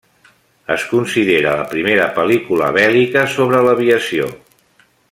Es considera la primera pel·lícula bèl·lica sobre l'aviació.